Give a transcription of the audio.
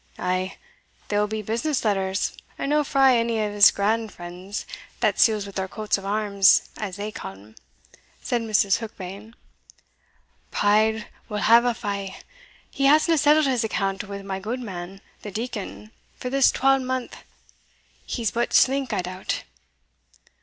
"Ay; they will be business letters, and no frae ony o' his grand friends, that seals wi' their coats of arms, as they ca' them," said Mrs. Heukbane; "pride will hae a fa' he hasna settled his account wi' my gudeman, the deacon, for this twalmonth he's but slink, I doubt."